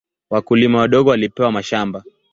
Wakulima wadogo walipewa mashamba.